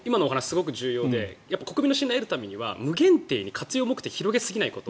すごく重要で国民の信頼を得るためには無限定に活用目的を広げすぎないこと。